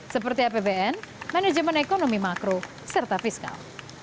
seperti apbn manajemen ekonomi makro serta fiskal